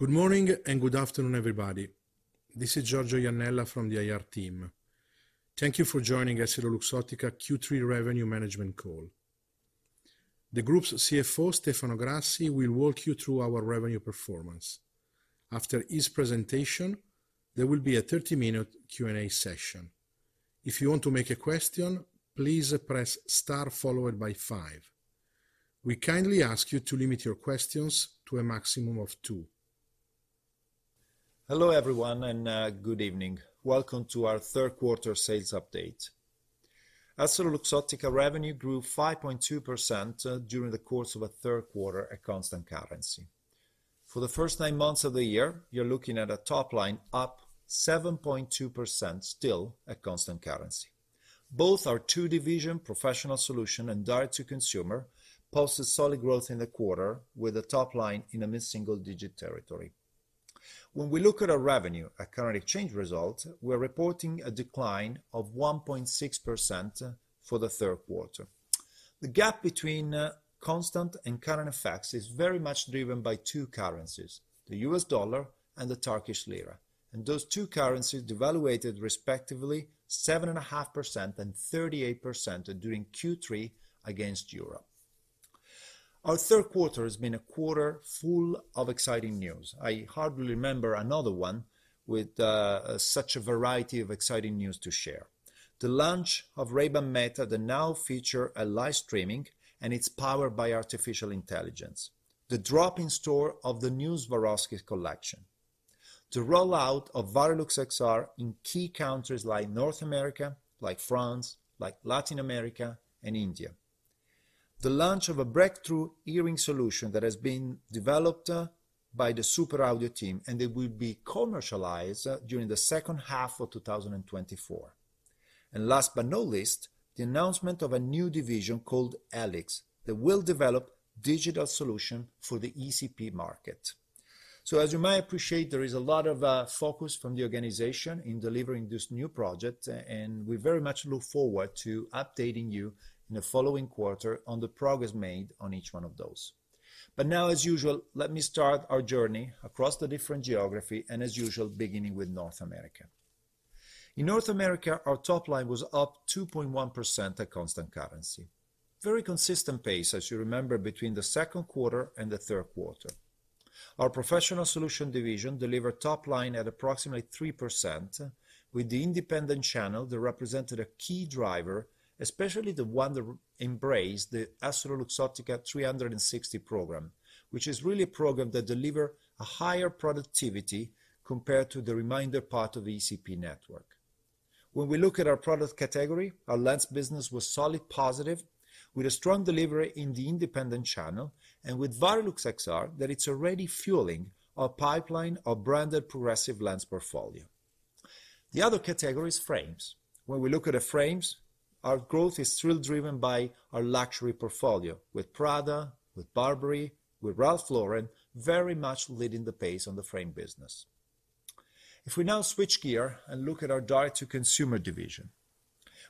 Good morning and good afternoon, everybody. This is Giorgio Iannella from the IR team. Thank you for joining EssilorLuxottica Q3 Revenue Management call. The group's CFO, Stefano Grassi, will walk you through our revenue performance. After his presentation, there will be a 30-minute Q&A session. If you want to make a question, please press star followed by five. We kindly ask you to limit your questions to a maximum of two. Hello, everyone, and, good evening. Welcome to our third quarter sales update. EssilorLuxottica revenue grew 5.2%, during the course of the third quarter at constant currency. For the first nine months of the year, you're looking at a top line up 7.2%, still at constant currency. Both our two division, Professional Solution and Direct to Consumer, posted solid growth in the quarter with a top line in a mid-single digit territory. When we look at our revenue at current exchange result, we're reporting a decline of 1.6% for the third quarter. The gap between, constant and current effects is very much driven by two currencies, the US dollar and the Turkish lira, and those two currencies devalued respectively 7.5% and 38% during Q3 against euro. Our third quarter has been a quarter full of exciting news. I hardly remember another one with such a variety of exciting news to share. The launch of Ray-Ban Meta that now feature a live streaming, and it's powered by artificial intelligence. The drop-in store of the new Swarovski collection. The rollout of Varilux XR in key countries like North America, like France, like Latin America and India. The launch of a breakthrough hearing solution that has been developed by the Super Audio team, and it will be commercialized during the second half of 2024. And last but not least, the announcement of a new division called Helix, that will develop digital solution for the ECP market. So as you might appreciate, there is a lot of focus from the organization in delivering this new project, and we very much look forward to updating you in the following quarter on the progress made on each one of those. But now, as usual, let me start our journey across the different geography and as usual, beginning with North America. In North America, our top line was up 2.1% at constant currency. Very consistent pace, as you remember, between the second quarter and the third quarter. Our professional solution division delivered top line at approximately 3%, with the independent channel that represented a key driver, especially the one that embraced the EssilorLuxottica 360 program, which is really a program that deliver a higher productivity compared to the remainder part of ECP network. When we look at our product category, our lens business was solid positive, with a strong delivery in the independent channel and with Varilux XR, that it's already fueling our pipeline of branded progressive lens portfolio. The other category is frames. When we look at the frames, our growth is still driven by our luxury portfolio with Prada, with Burberry, with Ralph Lauren, very much leading the pace on the frame business. If we now switch gear and look at our Direct to Consumer division,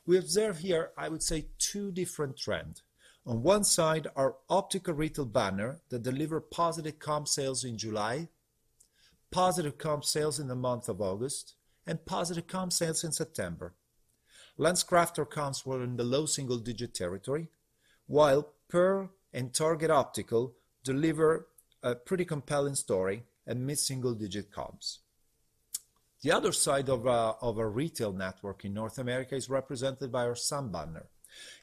we observe here, I would say, two different trend. On one side, our optical retail banner that deliver positive comp sales in July, positive comp sales in the month of August, and positive comp sales in September. LensCrafters comps were in the low single-digit territory, while Pearle and Target Optical deliver a pretty compelling story and mid-single digit comps. The other side of, of our retail network in North America is represented by our sun banner.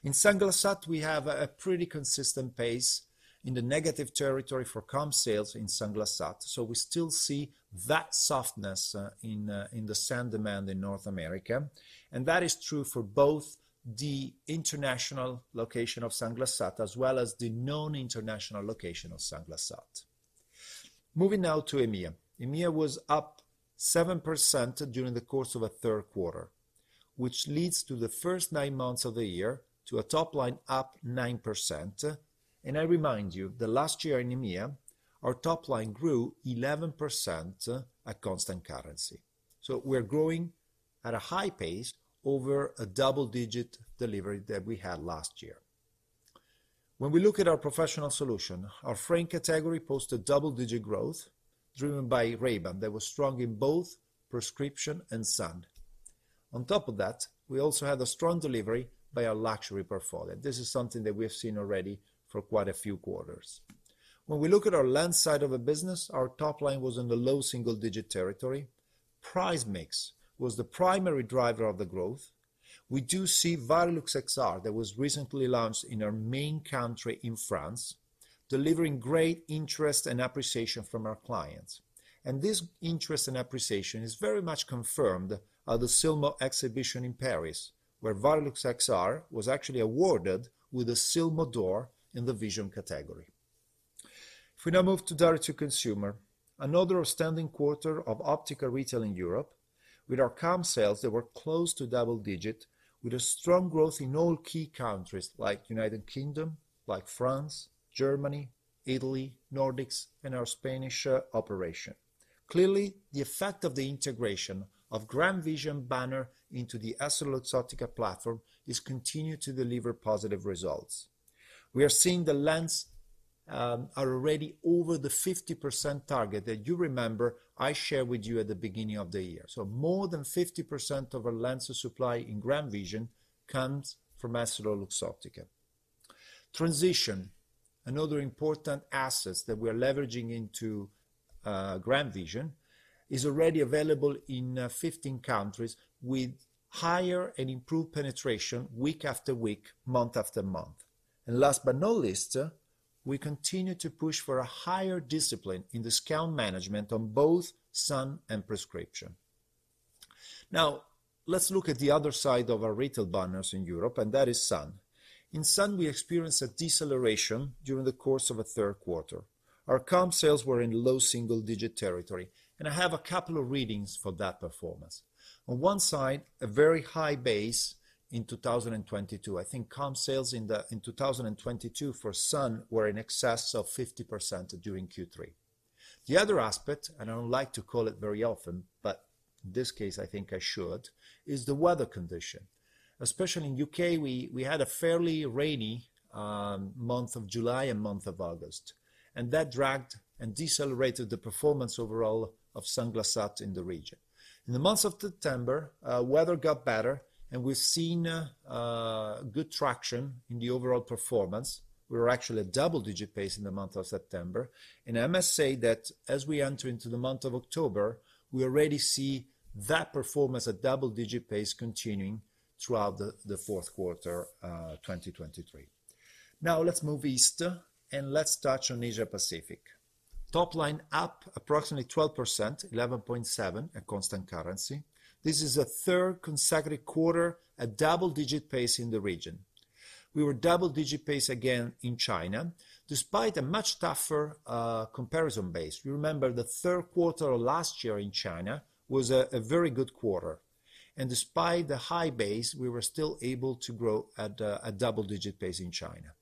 In Sunglass Hut, we have a pretty consistent pace in the negative territory for comp sales in Sunglass Hut, so we still see that softness in the sun demand in North America, and that is true for both the international location of Sunglass Hut, as well as the non-international location of Sunglass Hut. Moving now to EMEA. EMEA was up 7% during the course of the third quarter, which leads to the first nine months of the year to a top line up 9%. And I remind you that last year in EMEA, our top line grew 11% at constant currency. So we're growing at a high pace over a double-digit delivery that we had last year. When we look at our professional solution, our frame category posted double-digit growth, driven by Ray-Ban. That was strong in both prescription and sun. On top of that, we also had a strong delivery by our luxury portfolio. This is something that we have seen already for quite a few quarters. When we look at our lens side of the business, our top line was in the low single-digit territory. Price mix was the primary driver of the growth. We do see Varilux XR, that was recently launched in our main country in France, delivering great interest and appreciation from our clients. This interest and appreciation is very much confirmed at the Silmo exhibition in Paris, where Varilux XR was actually awarded with a Silmo d'Or in the vision category. If we now move to direct to consumer, another outstanding quarter of optical retail in Europe with our comp sales that were close to double digit, with a strong growth in all key countries like United Kingdom, like France, Germany, Italy, Nordics, and our Spanish operation. Clearly, the effect of the integration of GrandVision banner into the EssilorLuxottica platform is continuing to deliver positive results. We are seeing the lens are already over the 50% target that you remember I shared with you at the beginning of the year. So more than 50% of our lens of supply in GrandVision comes from EssilorLuxottica. Transitions, another important asset that we are leveraging into GrandVision, is already available in 15 countries with higher and improved penetration week after week, month after month. And last but not least, we continue to push for a higher discipline in the scale management on both sun and prescription. Now, let's look at the other side of our retail banners in Europe, and that is sun. In sun, we experienced a deceleration during the course of the third quarter. Our comp sales were in low single-digit territory, and I have a couple of readings for that performance. On one side, a very high base in 2022. I think comp sales in 2022 for sun were in excess of 50% during Q3. The other aspect, and I don't like to call it very often, but this case I think I should, is the weather condition. Especially in UK, we had a fairly rainy month of July and month of August, and that dragged and decelerated the performance overall of Sunglass Hut in the region. In the month of September, weather got better, and we've seen good traction in the overall performance. We were actually at double-digit pace in the month of September, and I must say that as we enter into the month of October, we already see that performance at double-digit pace continuing throughout the fourth quarter, 2023. Now let's move east, and let's touch on Asia Pacific. Top line up approximately 12%, 11.7 at constant currency. This is a third consecutive quarter, at double-digit pace in the region. We were double-digit pace again in China, despite a much tougher comparison base. You remember the third quarter of last year in China was a very good quarter, and despite the high base, we were still able to grow at a double-digit pace in China.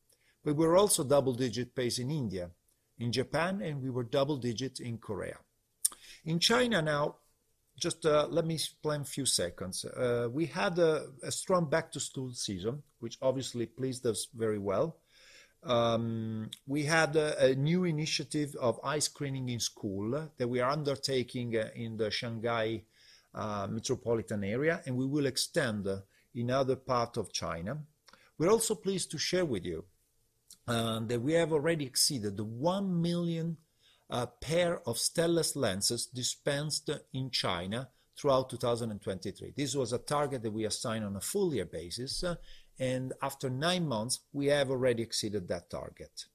We were also double-digit pace in India, in Japan, and we were double digit in Korea. In China now, just, let me explain a few seconds. We had a strong back-to-school season, which obviously pleased us very well. We had a new initiative of eye screening in school that we are undertaking, in the Shanghai, metropolitan area, and we will extend in other part of China. We're also pleased to share with you, that we have already exceeded the 1 million, pair of Stellest lenses dispensed in China throughout 2023. This was a target that we assigned on a full year basis, and after 9 months, we have already exceeded that target.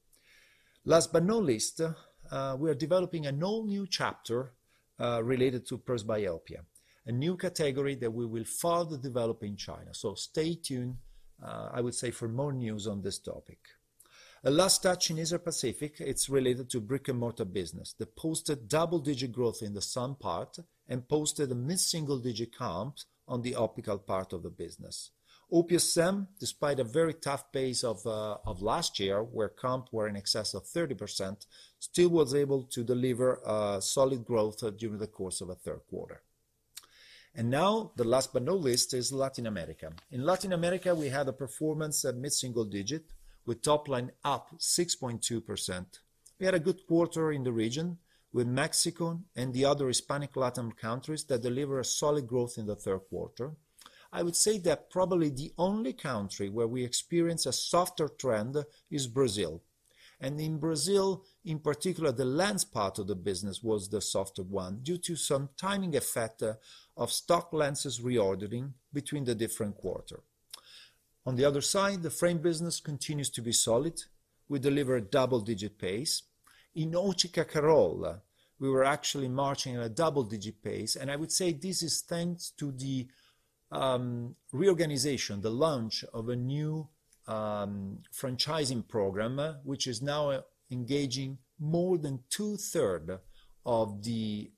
Last but not least, we are developing a whole new chapter related to presbyopia, a new category that we will further develop in China. So stay tuned, I would say, for more news on this topic. A last touch in Asia Pacific, it's related to brick-and-mortar business, that posted double-digit growth in the sun part and posted a mid-single digit comp on the optical part of the business. OPSM, despite a very tough pace of last year, where comp were in excess of 30%, still was able to deliver a solid growth during the course of the third quarter. And now, the last but not least, is Latin America. In Latin America, we had a performance at mid-single digit, with top line up 6.2%. We had a good quarter in the region, with Mexico and the other Hispanic Latam countries that deliver a solid growth in the third quarter. I would say that probably the only country where we experience a softer trend is Brazil. And in Brazil, in particular, the lens part of the business was the softer one due to some timing effect of stock lenses reordering between the different quarter. On the other side, the frame business continues to be solid. We deliver a double-digit pace. In Ótica Carol, we were actually marching at a double-digit pace, and I would say this is thanks to the reorganization, the launch of a new franchising program, which is now engaging more than two-thirds of the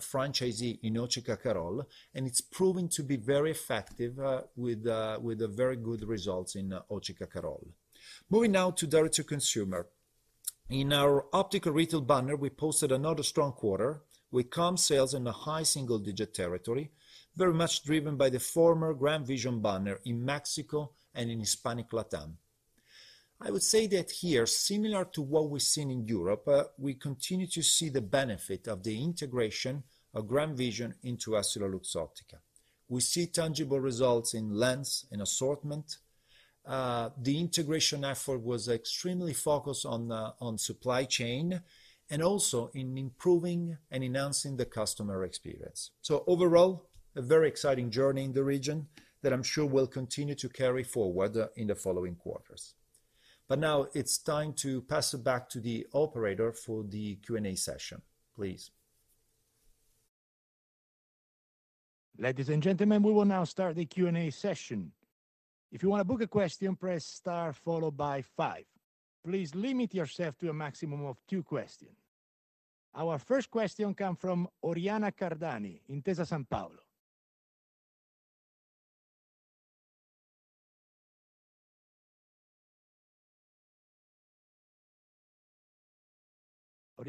franchisees in Ótica Carol, and it's proving to be very effective with the very good results in Ótica Carol. Moving now to direct to consumer. In our optical retail banner, we posted another strong quarter with comp sales in a high single-digit territory, very much driven by the former GrandVision banner in Mexico and in Hispanic Latam. I would say that here, similar to what we've seen in Europe, we continue to see the benefit of the integration of GrandVision into EssilorLuxottica. We see tangible results in lens and assortment. The integration effort was extremely focused on the supply chain and also in improving and enhancing the customer experience. So overall, a very exciting journey in the region that I'm sure will continue to carry forward in the following quarters. But now it's time to pass it back to the operator for the Q&A session, please. Ladies and gentlemen, we will now start the Q&A session. If you want to ask a question, press star followed by five. Please limit yourself to a maximum of two questions. Our first question comes from Oriana Cardani in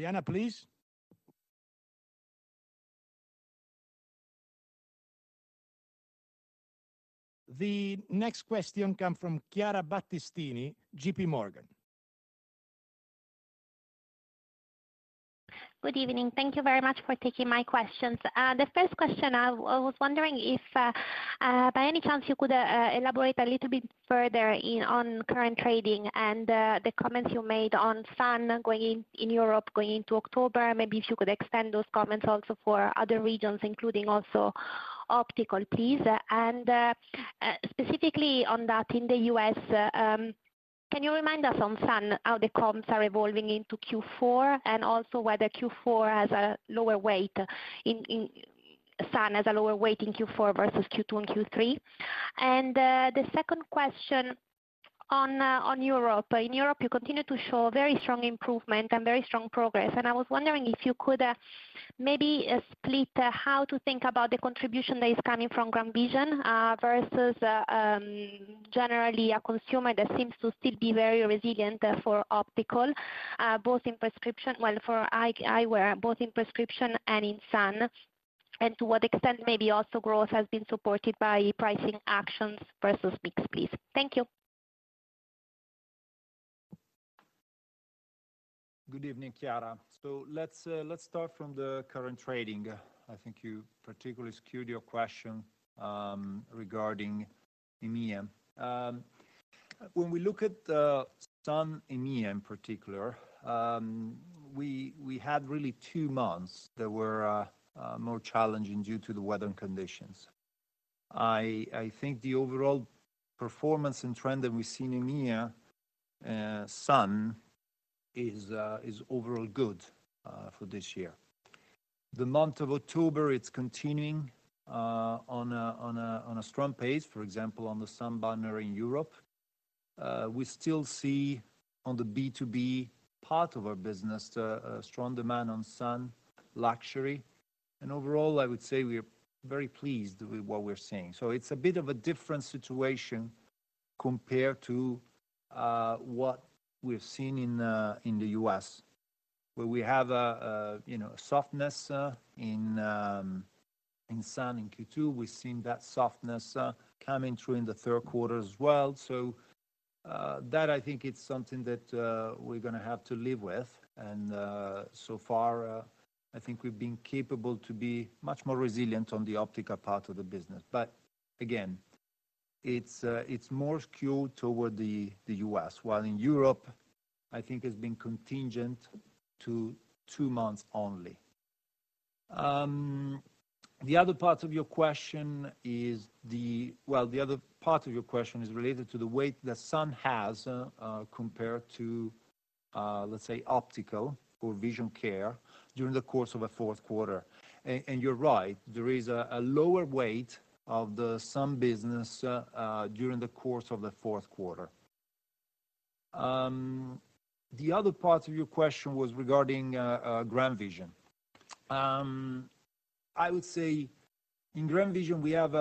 Intesa Sanpaolo. Oriana, please. The next question come from Chiara Battistini, JPMorgan. Good evening. Thank you very much for taking my questions. The first question, I was wondering if by any chance you could elaborate a little bit further on current trading and the comments you made on sun going in Europe, going into October? Maybe if you could expand those comments also for other regions, including also optical, please. Specifically on that in the U.S., can you remind us on sun how the comps are evolving into Q4, and also whether sun has a lower weight in Q4 versus Q2 and Q3? The second question on Europe. In Europe, you continue to show very strong improvement and very strong progress, and I was wondering if you could maybe split how to think about the contribution that is coming from GrandVision versus generally a consumer that seems to still be very resilient for optical both in prescription for eye eyewear both in prescription and in sun. To what extent maybe also growth has been supported by pricing actions versus mix, please. Thank you. Good evening, Chiara. So let's, let's start from the current trading. I think you particularly skewed your question regarding EMEA. When we look at sun EMEA in particular, we had really two months that were more challenging due to the weather conditions. I think the overall performance and trend that we see in EMEA sun is overall good for this year. The month of October, it's continuing on a strong pace, for example, on the sun banner in Europe. We still see on the B2B part of our business the strong demand on sun, luxury, and overall, I would say we are very pleased with what we're seeing. So it's a bit of a different situation compared to what we've seen in the U.S., where we have a, you know, a softness in sun in Q2. We've seen that softness coming through in the third quarter as well. So that I think it's something that we're gonna have to live with, and so far I think we've been capable to be much more resilient on the optical part of the business. But again, it's more skewed toward the U.S., while in Europe, I think it's been contingent to two months only. The other part of your question is the... Well, the other part of your question is related to the weight that sun has compared to, let's say, optical or vision care during the course of a fourth quarter. And you're right, there is a lower weight of the sun business during the course of the fourth quarter. The other part of your question was regarding GrandVision. I would say in GrandVision, we have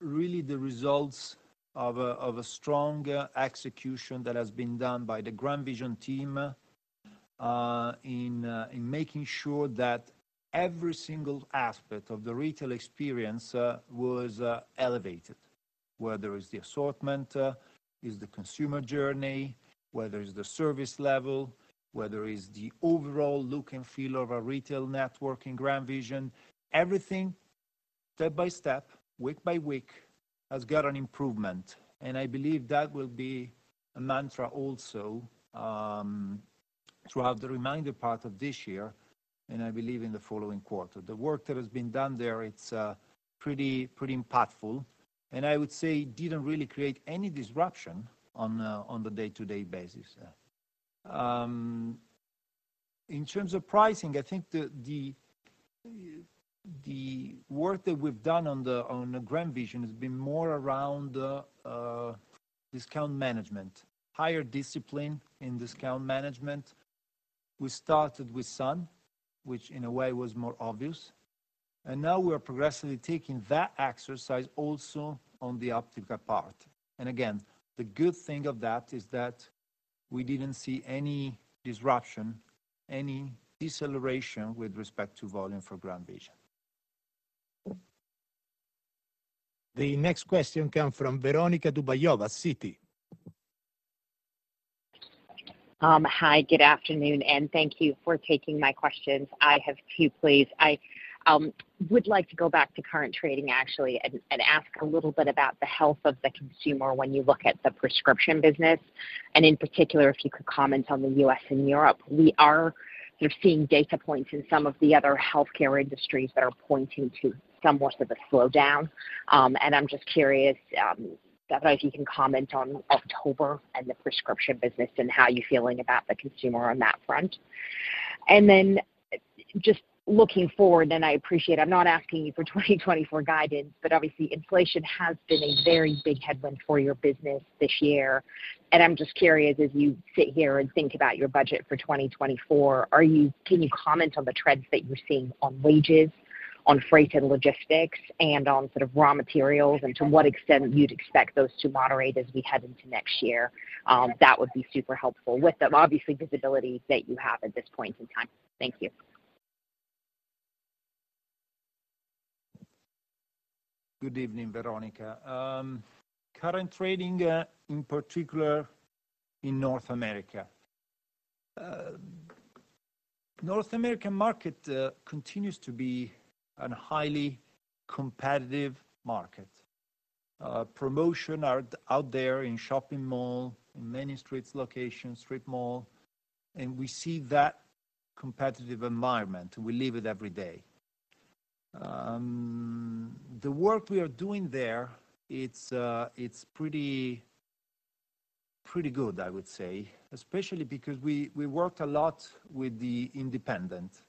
really the results of a strong execution that has been done by the GrandVision team in making sure that every single aspect of the retail experience was elevated. Whether is the assortment is the consumer journey, whether is the service level, whether is the overall look and feel of our retail network in GrandVision. Everything step by step, week by week, has got an improvement, and I believe that will be a mantra also throughout the remainder part of this year, and I believe in the following quarter. The work that has been done there, it's pretty, pretty impactful, and I would say didn't really create any disruption on the, on the day-to-day basis. In terms of pricing, I think the, the, the work that we've done on the, on the GrandVision has been more around the discount management, higher discipline in discount management. We started with sun, which in a way was more obvious, and now we are progressively taking that exercise also on the optical part. And again, the good thing of that is that we didn't see any disruption, any deceleration with respect to volume for GrandVision. The next question comes from Veronika Dubajova, Citi. Hi, good afternoon, and thank you for taking my questions. I have two, please. I would like to go back to current trading, actually, and ask a little bit about the health of the consumer when you look at the prescription business, and in particular, if you could comment on the U.S. and Europe. We're seeing data points in some of the other healthcare industries that are pointing to somewhat of a slowdown. And I'm just curious, if you can comment on October and the prescription business, and how you're feeling about the consumer on that front. And then just looking forward, and I appreciate I'm not asking you for 2024 guidance, but obviously inflation has been a very big headwind for your business this year. I'm just curious, as you sit here and think about your budget for 2024, can you comment on the trends that you're seeing on wages, on freight and logistics, and on sort of raw materials, and to what extent you'd expect those to moderate as we head into next year, that would be super helpful with the obviously visibility that you have at this point in time. Thank you. Good evening, Veronika. Current trading, in particular in North America. North American market continues to be a highly competitive market. Promotion are out there in shopping mall, in many streets locations, street mall, and we see that competitive environment, and we live it every day. The work we are doing there, it's pretty, pretty good, I would say, especially because we worked a lot with the independent.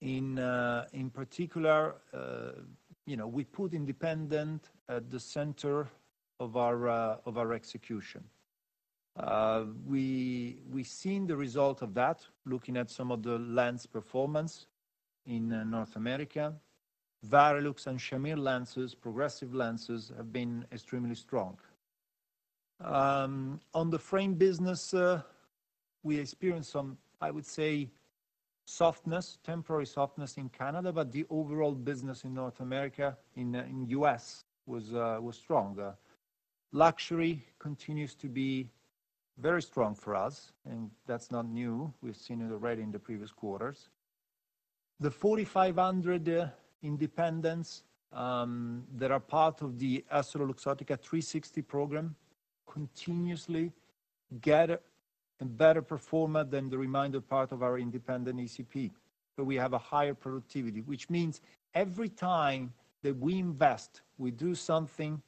In particular, you know, we put independent at the center of our execution. We've seen the result of that, looking at some of the lens performance in North America. Varilux and Shamir lenses, progressive lenses, have been extremely strong. On the frame business, we experienced some, I would say, softness, temporary softness in Canada, but the overall business in North America, in U.S. was strong. Luxury continues to be very strong for us, and that's not new. We've seen it already in the previous quarters. The 4,500 independents that are part of the EssilorLuxottica 360 program continuously get a better performer than the remainder part of our independent ECP. So we have a higher productivity, which means every time that we invest, we do something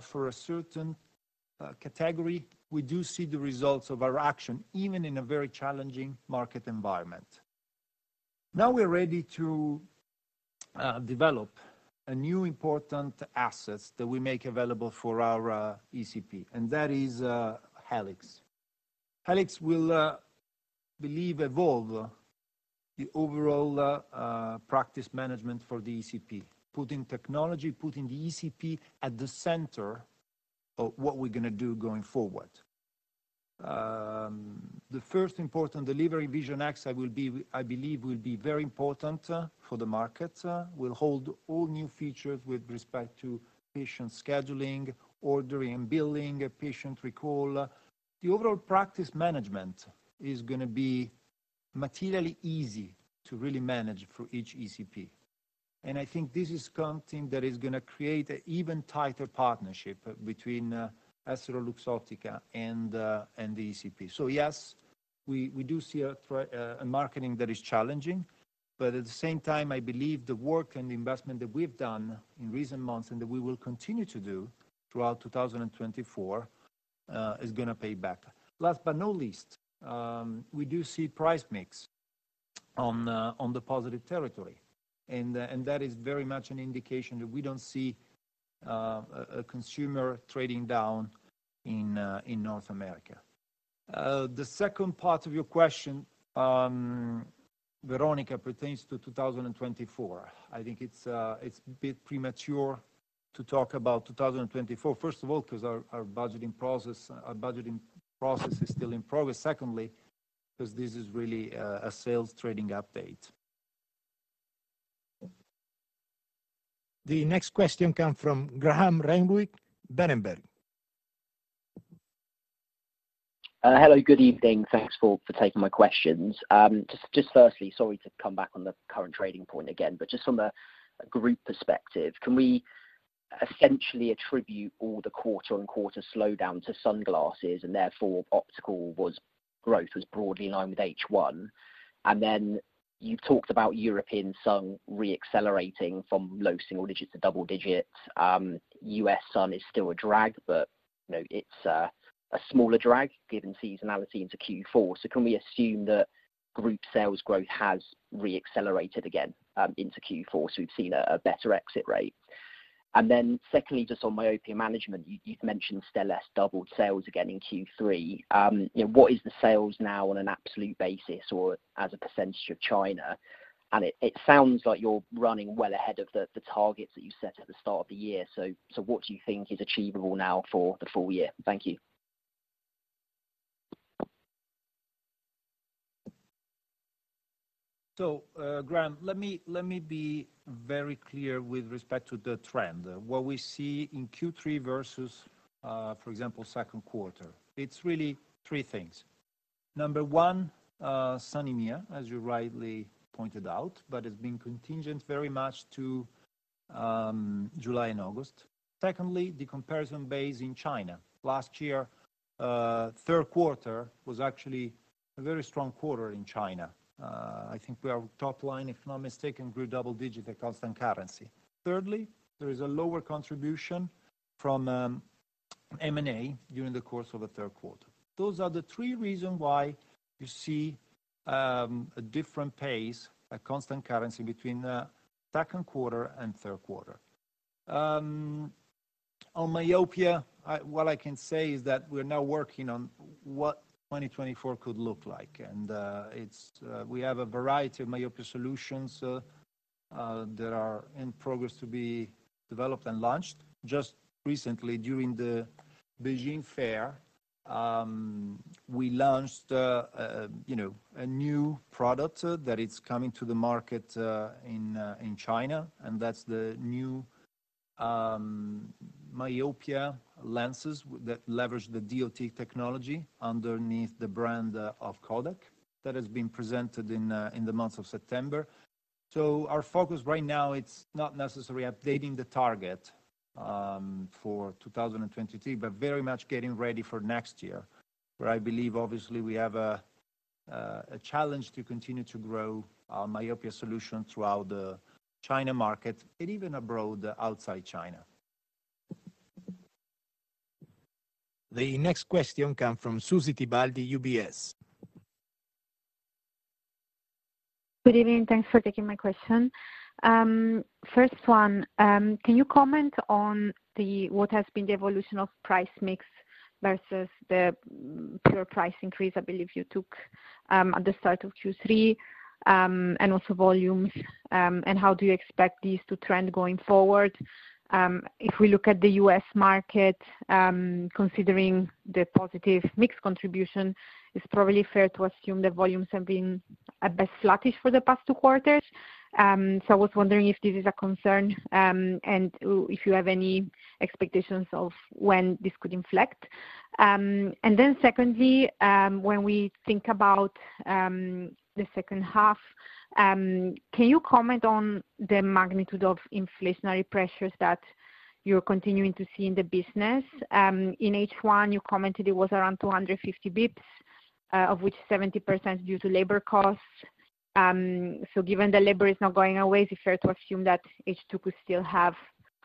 for a certain category, we do see the results of our action, even in a very challenging market environment. Now we're ready to develop a new important assets that we make available for our ECP, and that is Helix. Helix will, we believe, evolve the overall practice management for the ECP, putting technology, putting the ECP at the center of what we're gonna do going forward. The first important delivery, Vision(X), will be, I believe will be very important for the market. It will hold all new features with respect to patient scheduling, ordering and billing, a patient recall. The overall practice management is gonna be materially easy to really manage for each ECP, and I think this is something that is gonna create an even tighter partnership between EssilorLuxottica and the ECP. So yes, we do see a marketing that is challenging, but at the same time, I believe the work and the investment that we've done in recent months and that we will continue to do throughout 2024 is gonna pay back. Last but not least, we do see price mix on the positive territory, and that is very much an indication that we don't see a consumer trading down in North America. The second part of your question, Veronika, pertains to 2024. I think it's a bit premature to talk about 2024. First of all, 'cause our budgeting process is still in progress. Secondly, 'cause this is really a sales trading update. The next question come from Graham Renwick, Berenberg. Hello, good evening. Thanks for taking my questions. Just firstly, sorry to come back on the current trading point again, but just from a group perspective, can we essentially attribute all the quarter-on-quarter slowdown to sunglasses, and therefore, optical was growth, was broadly in line with H1? And then you've talked about European sun reaccelerating from low single digits to double digits. US sun is still a drag, but you know, it's a smaller drag given seasonality into Q4. So can we assume that group sales growth has reaccelerated again into Q4, so we've seen a better exit rate? And then secondly, just on myopia management, you've mentioned Stellest doubled sales again in Q3. You know, what is the sales now on an absolute basis or as a percentage of China? It sounds like you're running well ahead of the targets that you set at the start of the year. What do you think is achievable now for the full year? Thank you. So, Graham, let me, let me be very clear with respect to the trend. What we see in Q3 versus, for example, second quarter, it's really three things. Number one, sunny EMEA, as you rightly pointed out, but it's been contingent very much to, July and August. Secondly, the comparison base in China. Last year, third quarter was actually a very strong quarter in China. I think we are top line, if I'm not mistaken, grew double digit at constant currency. Thirdly, there is a lower contribution from, M&A during the course of the third quarter. Those are the three reason why you see, a different pace at constant currency between, second quarter and third quarter. On myopia, what I can say is that we're now working on what 2024 could look like, and, it's, we have a variety of myopia solutions, that are in progress to be developed and launched. Just recently, during the Beijing Fair, we launched, you know, a new product, that is coming to the market, in, in China, and that's the new, myopia lenses that leverage the DOT Technology underneath the brand, of Kodak. That has been presented in, in the month of September. So our focus right now, it's not necessarily updating the target, for 2023, but very much getting ready for next year, where I believe, obviously, we have a, a challenge to continue to grow our myopia solution throughout the China market and even abroad, outside China. The next question come from Susy Tibaldi, UBS. Good evening. Thanks for taking my question. First one, can you comment on the what has been the evolution of price mix versus the pure price increase I believe you took, at the start of Q3, and also volumes, and how do you expect these to trend going forward? If we look at the U.S. market, considering the positive mix contribution, it's probably fair to assume that volumes have been at best flattish for the past two quarters. So I was wondering if this is a concern, and if you have any expectations of when this could inflect. And then secondly, when we think about the second half, can you comment on the magnitude of inflationary pressures that you're continuing to see in the business? In H1, you commented it was around 250 basis points, of which 70% is due to labor costs. So given the labor is not going away, is it fair to assume that H2 could still have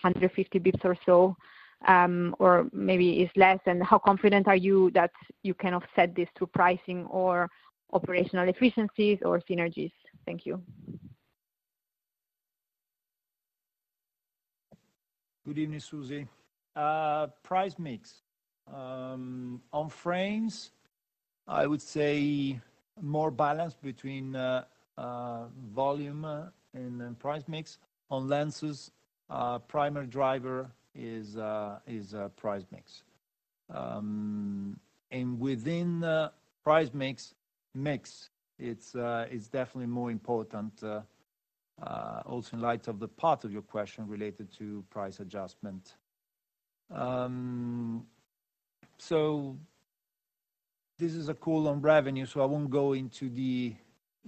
150 basis points or so, or maybe it's less? And how confident are you that you can offset this through pricing or operational efficiencies or synergies? Thank you. Good evening, Susy. Price mix. On frames, I would say more balance between volume and price mix. On lenses, our primary driver is price mix. And within price mix, mix, it's definitely more important also in light of the part of your question related to price adjustment. So this is a call on revenue, so I won't go into the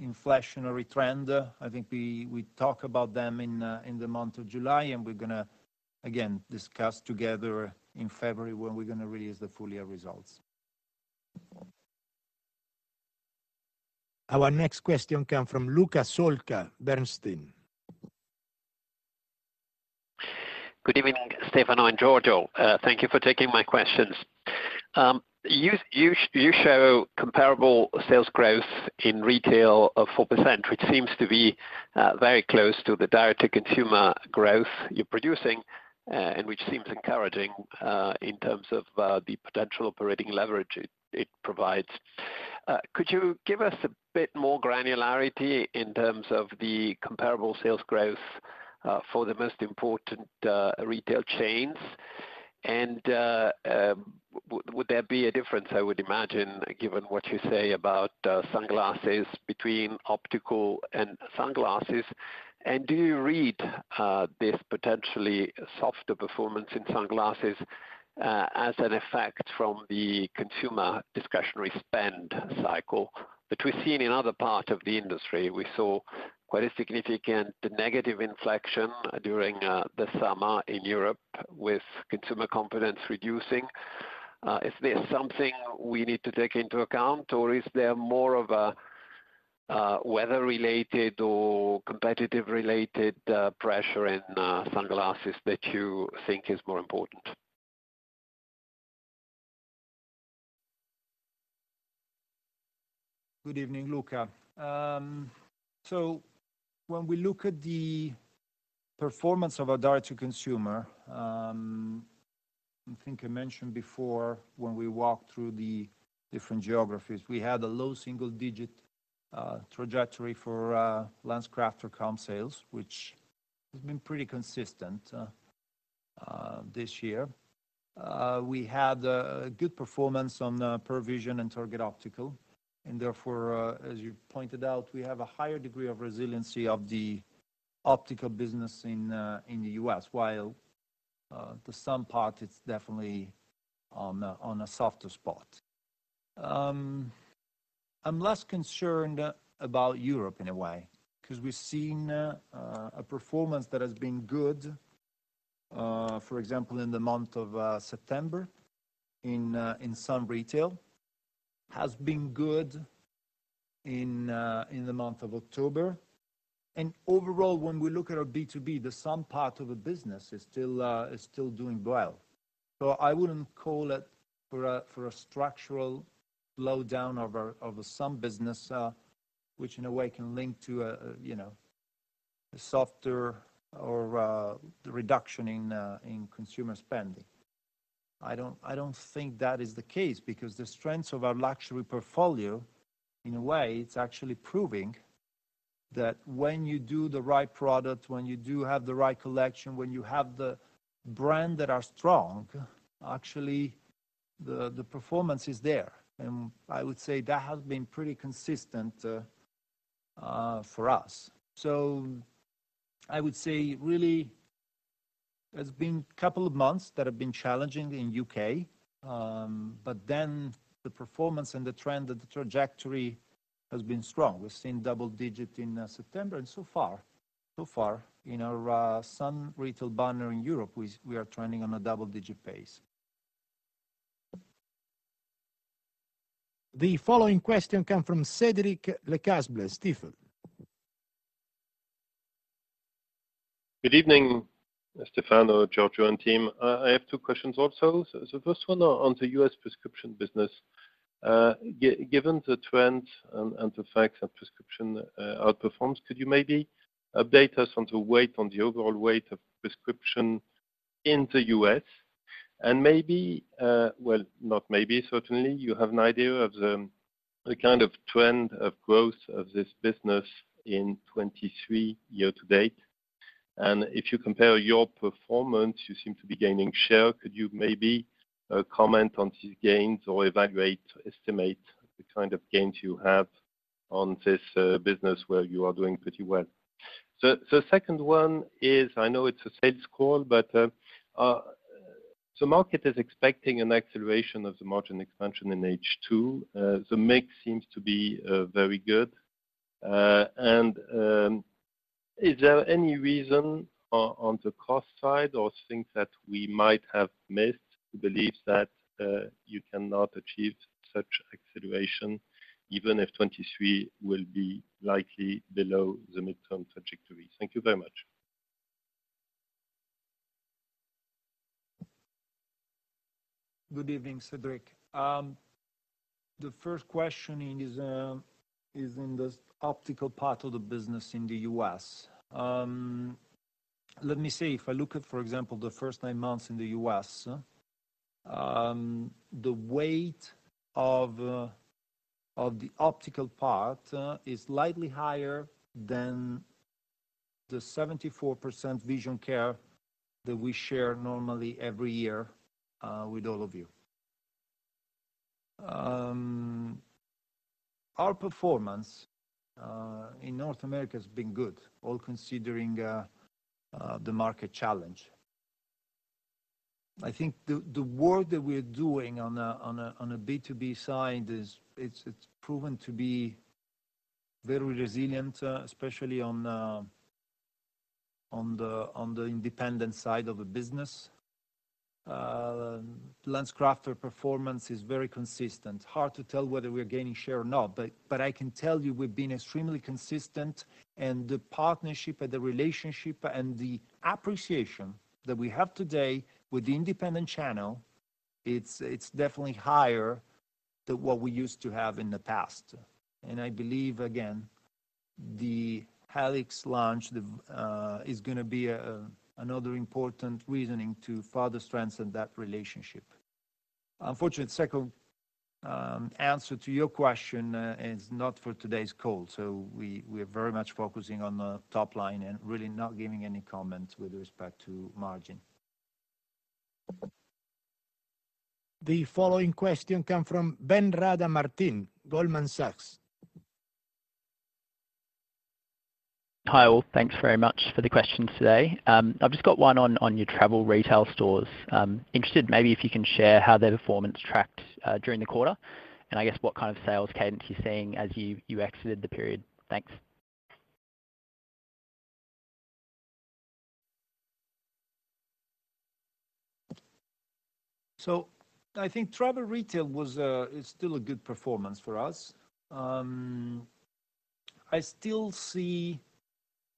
inflationary trend. I think we talked about them in the month of July, and we're gonna again discuss together in February when we're gonna release the full year results. Our next question comes from Luca Solca, Bernstein. Good evening, Stefano and Giorgio. Thank you for taking my questions. You show comparable sales growth in retail of 4%, which seems to be very close to the direct-to-consumer growth you're producing, and which seems encouraging in terms of the potential operating leverage it provides. Could you give us a bit more granularity in terms of the comparable sales growth for the most important retail chains? And would there be a difference, I would imagine, given what you say about sunglasses between optical and sunglasses? And do you read this potentially softer performance in sunglasses as an effect from the consumer discretionary spend cycle, which we've seen in other parts of the industry? We saw quite a significant negative inflection during the summer in Europe with consumer confidence reducing. Is this something we need to take into account, or is there more of a weather-related or competitive-related pressure in sunglasses that you think is more important? Good evening, Luca. So when we look at the performance of our direct-to-consumer, I think I mentioned before when we walked through the different geographies, we had a low single-digit trajectory for LensCrafters comp sales, which has been pretty consistent this year. We had a good performance on Pearle Vision and Target Optical, and therefore, as you pointed out, we have a higher degree of resiliency of the optical business in the U.S., while the sun part, it's definitely on a softer spot. I'm less concerned about Europe in a way, 'cause we've seen a performance that has been good, for example, in the month of September in sun retail. Has been good in the month of October. And overall, when we look at our B2B, the sun part of the business is still doing well. So I wouldn't call it a structural slowdown of the sun business, which in a way can link to you know a softer reduction in consumer spending. I don't think that is the case because the strengths of our luxury portfolio, in a way, it's actually proving that when you do the right product, when you do have the right collection, when you have the brand that are strong, actually the performance is there. And I would say that has been pretty consistent for us. So I would say really, it's been a couple of months that have been challenging in the U.K., but then the performance and the trend and the trajectory has been strong. We've seen double-digit in September, and so far in our some retail banner in Europe, we are trending on a double-digit pace. The following question comes from Cédric Lecasble, Stefano. Good evening, Stefano, Giorgio, and team. I have two questions also. So the first one on the US Prescription Business. Given the trends and the facts that prescription outperforms, could you maybe update us on the weight, on the overall weight of prescription in the U.S.? And maybe, well, not maybe, certainly, you have an idea of the kind of trend of growth of this business in 2023 year to date. And if you compare your performance, you seem to be gaining share. Could you maybe comment on these gains or evaluate, estimate the kind of gains you have on this business where you are doing pretty well? So second one is, I know it's a sales call, but the market is expecting an acceleration of the margin expansion in H2. The mix seems to be very good. Is there any reason on the cost side or things that we might have missed to believe that you cannot achieve such acceleration, even if 2023 will be likely below the midterm trajectory? Thank you very much. Good evening, Cedric. The first question is in the optical part of the business in the U.S. Let me see. If I look at, for example, the first nine months in the U.S., the weight of the optical part is slightly higher than the 74% vision care that we share normally every year with all of you. Our performance in North America has been good, all considering the market challenge. I think the work that we're doing on a B2B side is proven to be very resilient, especially on the independent side of the business. LensCrafters performance is very consistent. Hard to tell whether we are gaining share or not, but I can tell you we've been extremely consistent, and the partnership and the relationship and the appreciation that we have today with the independent channel, it's definitely higher than what we used to have in the past. I believe, again, the Helix launch is gonna be another important reasoning to further strengthen that relationship. Unfortunately, the second answer to your question is not for today's call, so we're very much focusing on the top line and really not giving any comments with respect to margin. The following question comes from Ben Rada Martin, Goldman Sachs. Hi, all. Thanks very much for the questions today. I've just got one on your travel retail stores. Interested maybe if you can share how their performance tracked during the quarter, and I guess what kind of sales cadence you're seeing as you exited the period. Thanks. So I think travel retail was. It's still a good performance for us. I still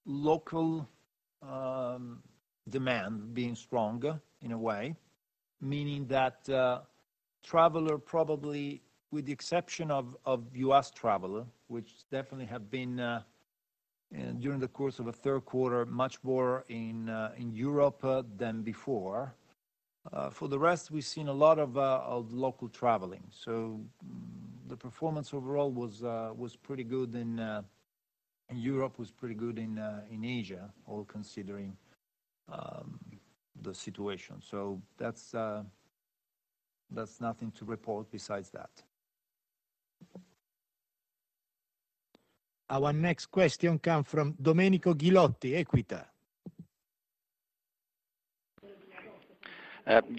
see local demand being stronger in a way, meaning that traveler, probably with the exception of US Traveler, which definitely have been during the course of the third quarter, much more in Europe than before. For the rest, we've seen a lot of local traveling. So the performance overall was pretty good in Europe, was pretty good in Asia, all considering the situation. So that's nothing to report besides that. Our next question come from Domenico Ghilotti, Equita.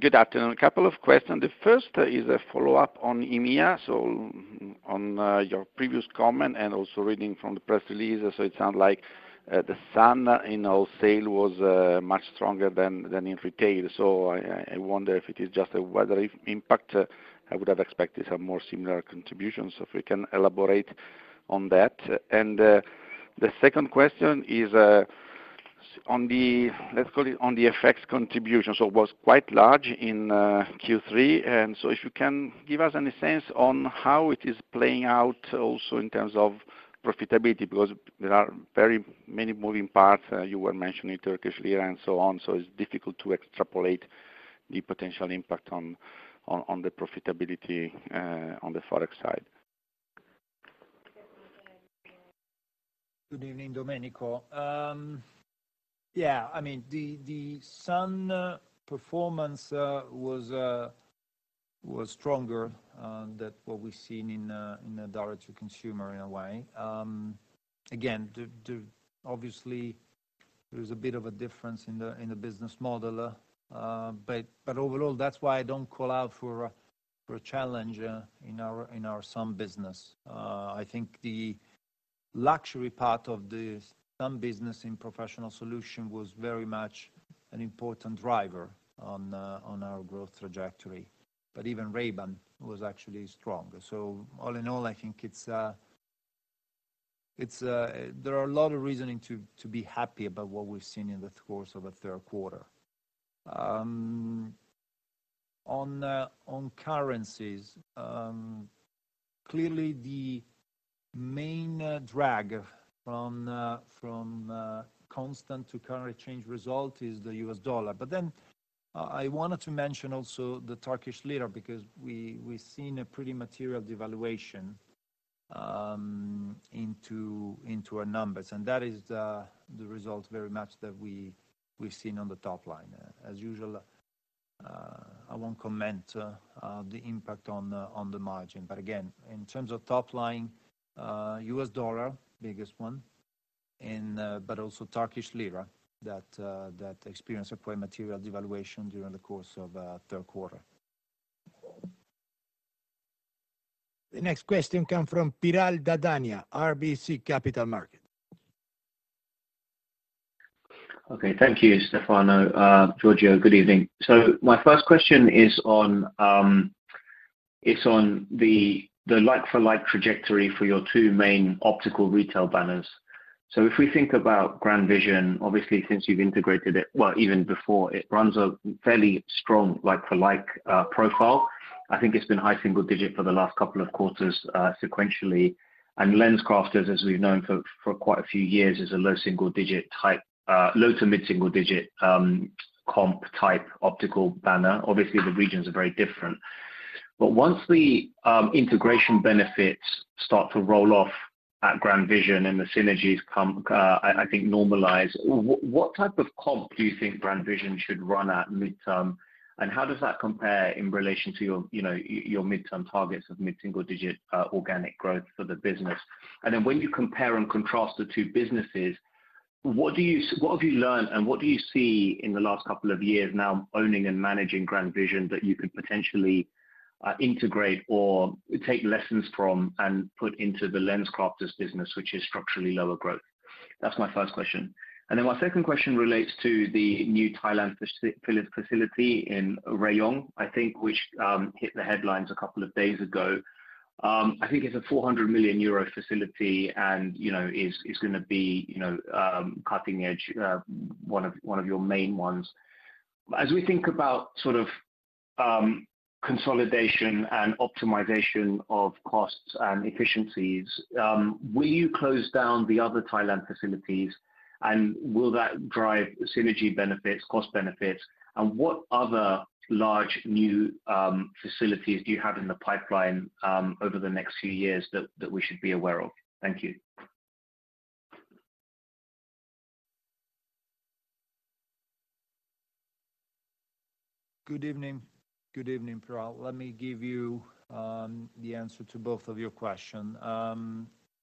Good afternoon. A couple of questions. The first is a follow-up on EMEA, so on, your previous comment and also reading from the press release. So it sounds like, the sunglass sales was, much stronger than in retail. So I wonder if it is just a weather impact. I would have expected some more similar contributions, so if we can elaborate on that. And the second question is on the, let's call it, on the FX contribution. So it was quite large in Q3, and so if you can give us any sense on how it is playing out also in terms of profitability, because there are very many moving parts. You were mentioning Turkish lira and so on, so it's difficult to extrapolate the potential impact on the profitability on the Forex side. Good evening, Domenico. Yeah, I mean, the sun performance was stronger than what we've seen in the direct-to-consumer in a way. Again, obviously, there is a bit of a difference in the business model, but overall, that's why I don't call out for a challenge in our sun business. I think the luxury part of the sun business in professional solution was very much an important driver on our growth trajectory. But even Ray-Ban was actually stronger. So all in all, I think it's... There are a lot of reasoning to be happy about what we've seen in the course of the third quarter. On currencies, clearly, the main drag from constant to currency exchange result is the U.S. dollar. But then, I wanted to mention also the Turkish lira, because we've seen a pretty material devaluation into our numbers, and that is the result very much that we've seen on the top line. As usual, I won't comment on the impact on the margin, but again, in terms of top line, U.S. dollar, biggest one, and but also Turkish lira, that experienced a quite material devaluation during the course of third quarter. The next question comes from Piral Dadhania, RBC Capital Markets. Okay. Thank you, Stefano. Giorgio, good evening. My first question is on, it's on the like-for-like trajectory for your two main optical retail banners. If we think about GrandVision, obviously, since you've integrated it, well, even before, it runs a fairly strong like-for-like profile. I think it's been high single digit for the last couple of quarters, sequentially. LensCrafters, as we've known for quite a few years, is a low single digit type, low to mid single digit, comp type optical banner. Obviously, the regions are very different. But once the integration benefits start to roll off at GrandVision and the synergies come and I think normalize, what type of comp do you think GrandVision should run at midterm, and how does that compare in relation to your, you know, your midterm targets of mid single digit organic growth for the business? And then when you compare and contrast the two businesses, what have you learned, and what do you see in the last couple of years now, owning and managing GrandVision, that you could potentially integrate or take lessons from and put into the LensCrafters business, which is structurally lower growth? That's my first question. And then my second question relates to the new Thailand facility in Rayong, I think, which hit the headlines a couple of days ago. I think it's a 400 million euro facility and, you know, is, is gonna be, you know, cutting-edge, one of, one of your main ones. As we think about sort of, consolidation and optimization of costs and efficiencies, will you close down the other Thailand facilities, and will that drive synergy benefits, cost benefits? And what other large, new, facilities do you have in the pipeline, over the next few years that, that we should be aware of? Thank you. Good evening. Good evening, Piral. Let me give you the answer to both of your question.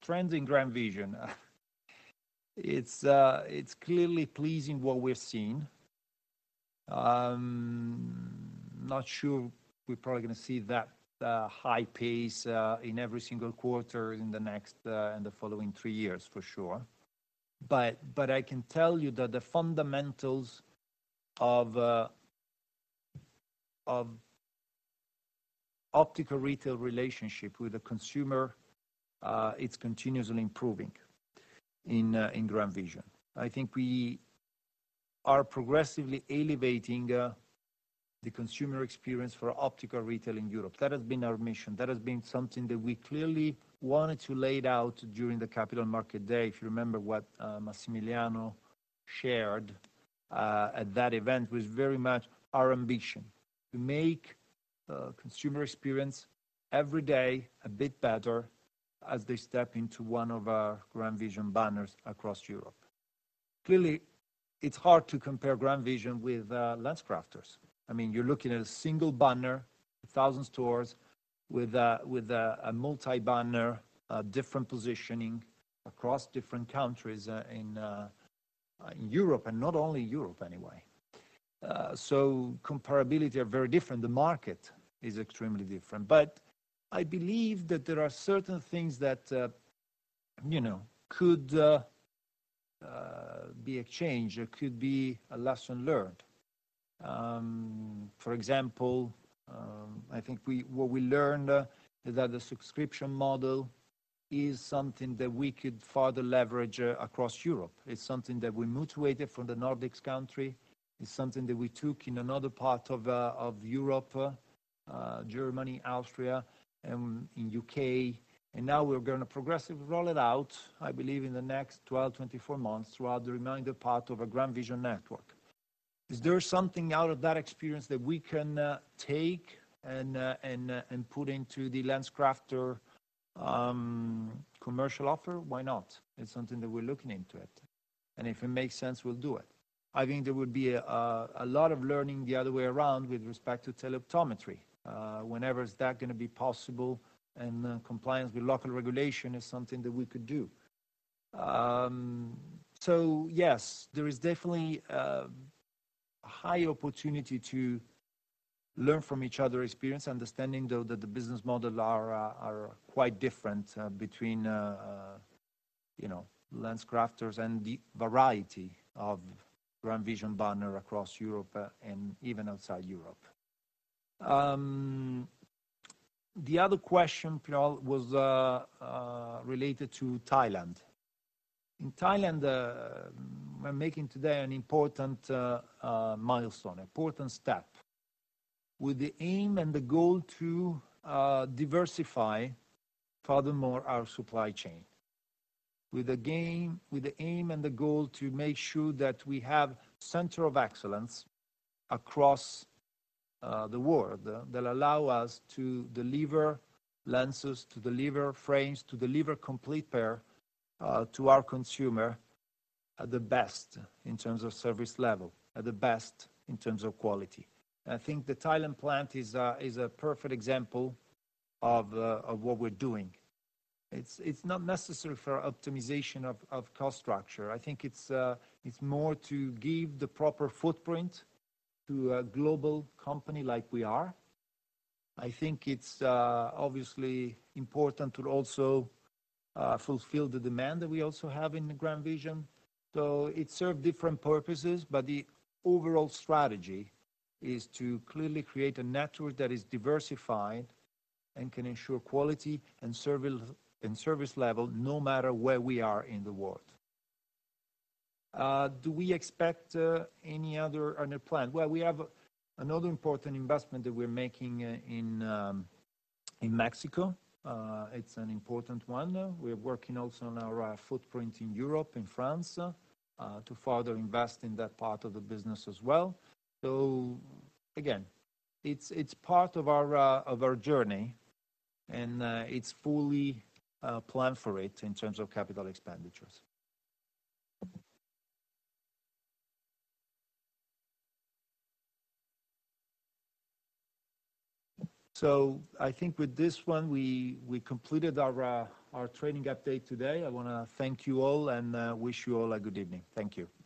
Trends in GrandVision, it's clearly pleasing what we're seeing. Not sure we're probably gonna see that high pace in every single quarter in the following three years, for sure. But I can tell you that the fundamentals of optical retail relationship with the consumer, it's continuously improving in GrandVision. I think we are progressively elevating the consumer experience for optical retail in Europe. That has been our mission. That has been something that we clearly wanted to lay out during the Capital Market Day. If you remember what Massimiliano shared at that event was very much our ambition: to make consumer experience every day a bit better as they step into one of our GrandVision banners across Europe. Clearly, it's hard to compare GrandVision with LensCrafters. I mean, you're looking at a single banner, 1,000 stores, with a multi-banner, a different positioning across different countries in Europe, and not only Europe, anyway. So comparability are very different. The market is extremely different. But I believe that there are certain things that you know could be exchanged or could be a lesson learned. For example, I think what we learned is that the subscription model is something that we could further leverage across Europe. It's something that we mutated from the Nordics country. It's something that we took in another part of Europe, Germany, Austria, and in U.K., and now we're gonna progressively roll it out, I believe, in the next 12-24 months throughout the remainder part of our GrandVision network. Is there something out of that experience that we can take and put into the LensCrafters commercial offer? Why not? It's something that we're looking into it, and if it makes sense, we'll do it. I think there would be a lot of learning the other way around with respect to teleoptometry. Whenever is that gonna be possible, and compliance with local regulation is something that we could do. So yes, there is definitely high opportunity to learn from each other experience, understanding, though, that the business model are quite different between you know, LensCrafters and the variety of GrandVision banner across Europe, and even outside Europe. The other question, Pierre, was related to Thailand. In Thailand, we're making today an important milestone, important step with the aim and the goal to diversify furthermore our supply chain. With the aim and the goal to make sure that we have center of excellence across the world, that allow us to deliver lenses, to deliver frames, to deliver complete pair to our consumer, the best in terms of service level, and the best in terms of quality. I think the Thailand plant is a perfect example of what we're doing. It's not necessary for optimization of cost structure. I think it's more to give the proper footprint to a global company like we are. I think it's obviously important to also fulfill the demand that we also have in the GrandVision. So it serves different purposes, but the overall strategy is to clearly create a network that is diversified and can ensure quality and service level, no matter where we are in the world. Do we expect any other on our plan? Well, we have another important investment that we're making in Mexico. It's an important one. We're working also on our footprint in Europe, in France, to further invest in that part of the business as well. So again, it's part of our journey, and it's fully planned for it in terms of capital expenditures. So I think with this one, we completed our trading update today. I wanna thank you all and wish you all a good evening. Thank you.